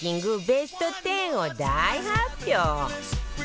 ベスト１０を大発表